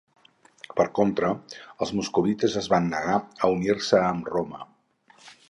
Per contra, els moscovites es van negar a unir-se amb Roma.